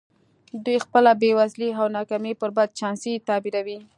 دوی خپله بېوزلي او ناکامي پر بد چانسۍ تعبیروي